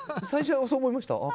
最初はそう思いました。